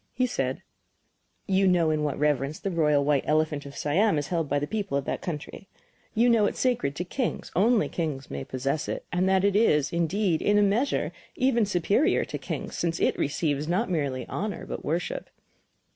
He said: You know in what reverence the royal white elephant of Siam is held by the people of that country. You know it is sacred to kings, only kings may possess it, and that it is, indeed, in a measure even superior to kings, since it receives not merely honor but worship.